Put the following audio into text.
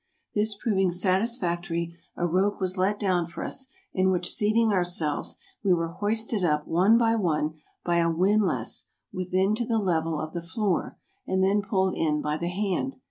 This proving satisfactory, a rope was let down for us, in w'hich seating ourselves, we wnre hoisted up one by one by a windlass within to the level of the floor, and then pulled in by the hand.